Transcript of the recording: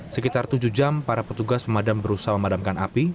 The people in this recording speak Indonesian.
sekitar tujuh jam para petugas pemadam berusaha memadamkan api